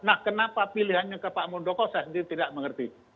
nah kenapa pilihannya ke pak muldoko saya sendiri tidak mengerti